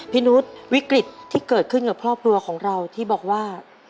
พี่นุทวิกฤตที่เกิดขึ้นกับพ่อปลัวของเราที่บอกว่า